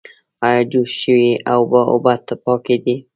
ایا جوش شوې اوبه پاکې دي؟